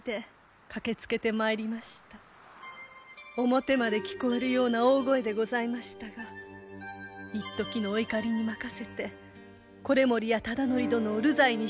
表まで聞こえるような大声でございましたが一時のお怒りに任せて維盛や忠度殿を流罪にしてよいのですか？